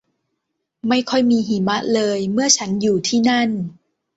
ไม่ค่อยมีหิมะเลยเมื่อฉันอยู่ที่นั่น